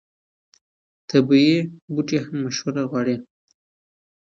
طبیعي بوټي هم مشوره غواړي.